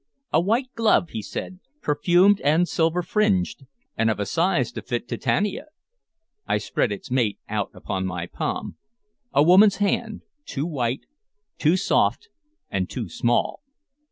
"A white glove," he said, "perfumed and silver fringed, and of a size to fit Titania." I spread its mate out upon my palm. "A woman's hand. Too white, too soft, and too small."